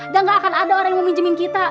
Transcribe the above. dan gak akan ada orang yang mau minjemin kita